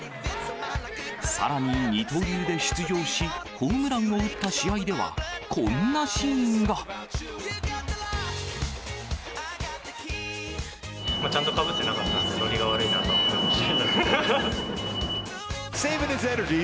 さらに二刀流で出場し、ホームランを打った試合では、こんなシーンが。ちゃんとかぶってなかったので、ノリが悪いなと思いました。